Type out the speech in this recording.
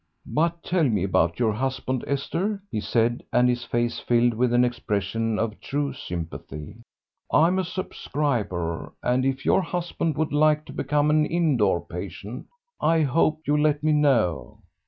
"But tell me about your husband, Esther," he said, and his face filled with an expression of true sympathy. "I'm a subscriber, and if your husband would like to become an in door patient, I hope you'll let me know."